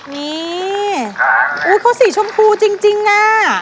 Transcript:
นี่เขาสีชมพูจริงอ่ะ